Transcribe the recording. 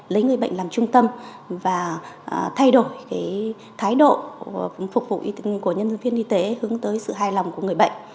lấy người bệnh làm trung tâm và thay đổi cái thái độ phục vụ của nhân viên y tế hướng tới sự hài lòng của người bệnh